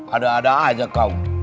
ada ada aja kau